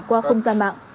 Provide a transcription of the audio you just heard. qua không gian mạng